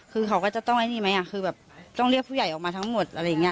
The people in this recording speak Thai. คือเขาก็จะต้องไอ้นี่ไหมคือแบบต้องเรียกผู้ใหญ่ออกมาทั้งหมดอะไรอย่างนี้